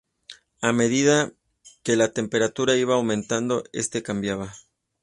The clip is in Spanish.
A medida que la temperatura iba aumentando este cambiaba.